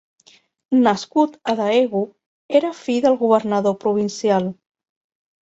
Nascut a Daegu, era fill del governador provincial.